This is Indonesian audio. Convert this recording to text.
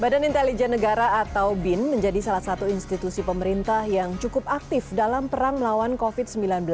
badan intelijen negara atau bin menjadi salah satu institusi pemerintah yang cukup aktif dalam perang melawan covid sembilan belas